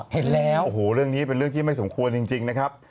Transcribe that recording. เห็นแล้วโอ้โหเรื่องนี้เป็นเรื่องที่ไม่สมควรจริงนะครับ